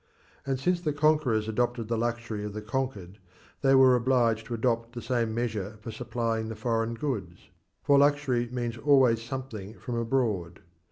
And since the conquerors adopted the luxury of the conquered, they were obliged to adopt the same measure for supplying the foreign goods for luxury means always something from abroad.